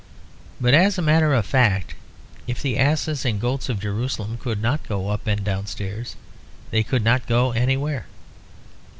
But as a matter of fact, if the asses and goats of Jerusalem could not go up and downstairs, they could not go anywhere.